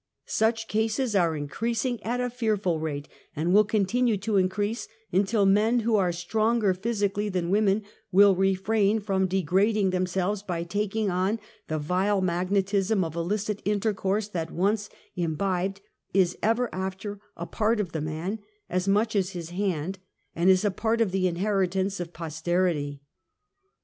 Such cases are increas / ing at a fearful rate, and will continue to increase until men who are stronger physically than women will refrain from degrading themselves by taking on' Mthe vile magnetism of illicit intercourse that once imbibed is ever after a part of the man, as much as his hand, and is a part of the inheritance of poster^ ity.